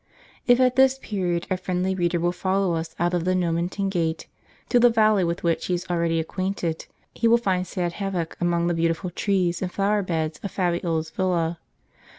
* If at this period our friendly reader will follow us out of the Nomentan gate, to the ^^alley with which he is already acquainted, he will find sad havoc among the beautiful trees and flower beds of Fabiola's villa.